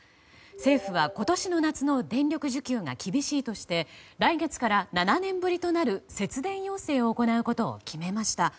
政府は今年の夏の電力需給が厳しいとして来月から７年ぶりとなる節電要請を行うことを決めました。